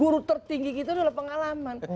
guru tertinggi kita adalah pengalaman